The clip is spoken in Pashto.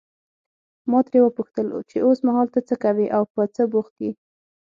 ما ترې وپوښتل چې اوسمهال ته څه کوې او په څه بوخت یې.